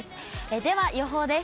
では、予報です。